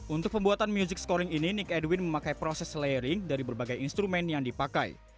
untuk pembuatan music scoring ini nick edwin memakai proses layering dari berbagai instrumen yang dipakai